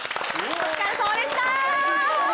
お疲れさまでした！